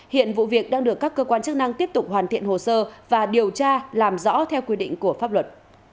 hiện vụ việc đang được các cơ quan chức năng tiếp tục hoàn thiện hồ sơ và điều tra làm rõ theo quy định của pháp luật